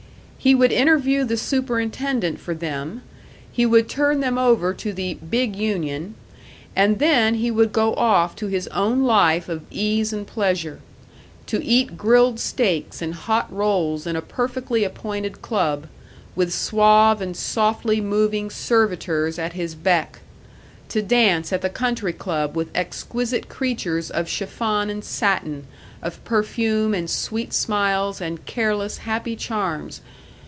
He would interview the superintendent for them, he would turn them over to the "big union" and then he would go off to his own life of ease and pleasure. To eat grilled steaks and hot rolls in a perfectly appointed club, with suave and softly moving servitors at his beck! To dance at the country club with exquisite creatures of chiffon and satin, of perfume and sweet smiles and careless, happy charms!